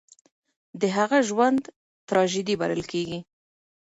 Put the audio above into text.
د هغه ژوند تراژيدي بلل کېږي.